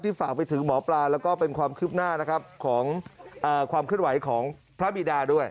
ฝากไปถึงหมอปลาแล้วก็เป็นความคืบหน้านะครับของความเคลื่อนไหวของพระบิดาด้วย